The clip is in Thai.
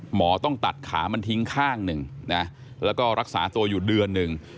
หมอต้องตัดขามันทิ้งข้างหนึ่งนะแล้วก็รักษาตัวอยู่เดือนหนึ่ง